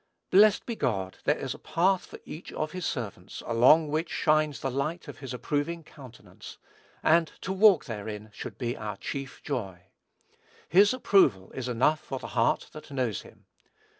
Blessed be God, there is a path for each of his servants, along which shines the light of his approving countenance, and to walk therein should be our chief joy. His approval is enough for the heart that knows him.